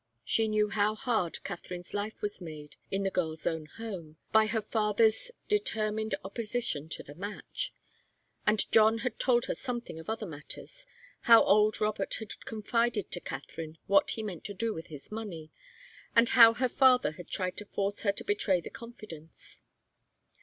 She knew how hard Katharine's life was made in the girl's own home, by her father's determined opposition to the match, and John had told her something of other matters how old Robert had confided to Katharine what he meant to do with his money, and how her father had tried to force her to betray the confidence.